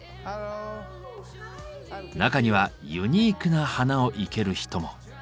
中にはユニークな花を生ける人も。